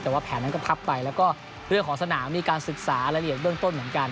แต่ว่าแผนนั้นก็พับไปแล้วก็เรื่องของสนามมีการศึกษารายละเอียดเบื้องต้นเหมือนกัน